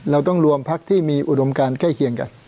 เราต้องรวมพักที่มีอุดมการใกล้เคียงกัน